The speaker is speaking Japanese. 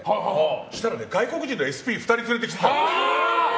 そうしたら、外国人のＳＰ２人連れてきてたの。